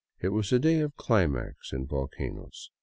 It was a day of climax in volcanoes.